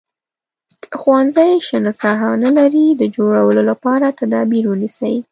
که ښوونځی شنه ساحه نه لري د جوړولو لپاره تدابیر ونیسئ.